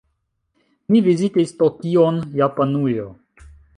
Ni vizitis Tokion, Japanujo.